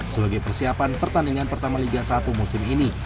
sebagai persiapan pertandingan pertama liga satu musim ini